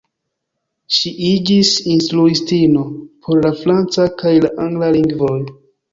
Ŝi iĝis instruistino por la franca kaj la angla lingvoj.